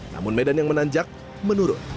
namun medan yang menanjak menurun